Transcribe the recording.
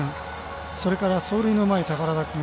それから走塁のうまい寳田君。